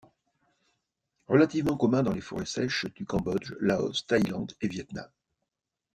Relativement commun dans les forêts sèches du Cambodge, Laos, Thaïlande et Viêt Nam.